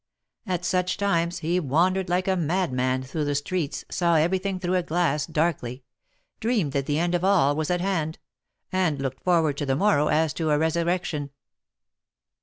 At such times he wandered like a madman through the streets, saw everything through a glass darkly — dreamed that the end of all was at hand; and looked forward to the morrow as to a resurrection.